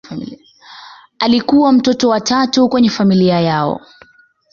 Alikuwa mtoto wa tatu kwenye familia yao.